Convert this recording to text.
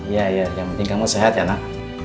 iya yang penting kamu sehat ya nak